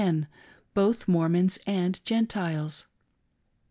27 1 men, both Mormons and Gentiles.